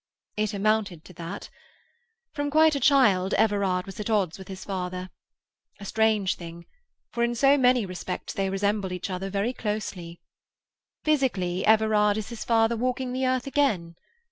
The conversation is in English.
"It amounted to that. From quite a child, Everard was at odds with his father. A strange thing, for in so many respects they resembled each other very closely. Physically, Everard is his father walking the earth again.